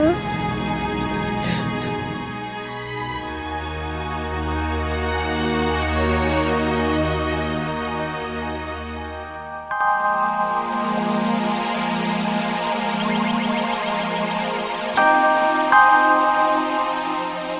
kalah orang take